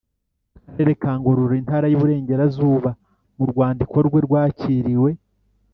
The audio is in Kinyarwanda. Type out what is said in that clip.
Akarere ka Ngororero Intara y Iburengerazuba mu rwandiko rwe rwakiriw